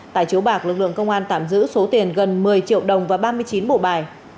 tại chiếu bạc lực lượng công an tạm giữ số tiền gần một mươi triệu đồng và ba mươi chín bộ bài